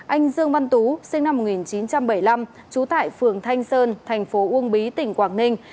anh dương văn tú sinh năm một nghìn chín trăm bảy mươi năm trú tại phường thanh sơn thành phố uông bí tỉnh quảng ninh